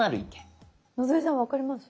野添さん分かります？